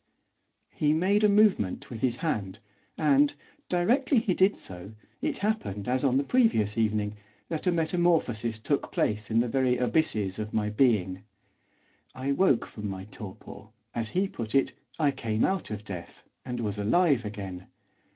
He made a movement with his hand, and, directly he did so, it happened as on the previous evening, that a metamorphosis took place in the very abysses of my being. I woke from my torpor, as he put it, I came out of death, and was alive again.